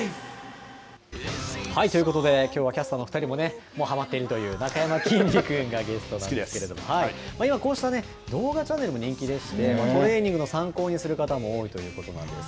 ということで、きょうはキャスターの２人もね、はまっているという、なかやまきんに君がゲストなんですけれど、今、こうした動画チャンネルも人気でして、トレーニングの参考にする方も多いということなんです。